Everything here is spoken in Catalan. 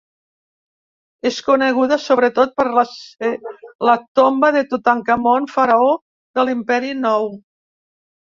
És coneguda sobretot per ser la tomba de Tutankamon, faraó de l'Imperi nou.